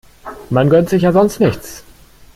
Man gönnt sich ja sonst nichts.